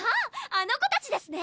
あの子たちですね！